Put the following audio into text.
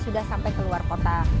sudah sampai ke luar kota